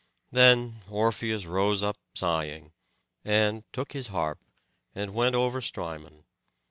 Then Orpheus rose up sighing, and took his harp, and went over Strymon.